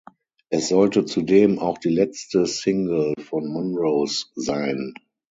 Es sollte zudem auch die letzte Single von Monrose sein.